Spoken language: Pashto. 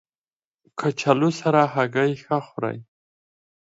کچالو سره هګۍ ښه خوري